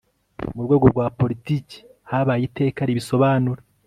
mu rwego rwa politiki habaye iteka ribisobanura